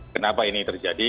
kenapa ini terjadi